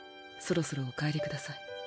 そろそろお帰りください。